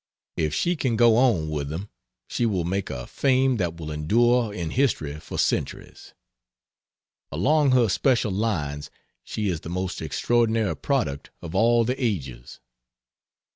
If she can go on with them she will make a fame that will endure in history for centuries. Along her special lines she is the most extraordinary product of all the ages.